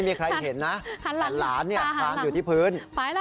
แต่หลานตาหันอยู่ที่พื้น